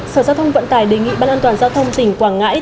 sở giao thông vận tải đề nghị ban an toàn giao thông tỉnh quảng ngãi